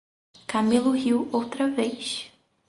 Camilo riu outra vez: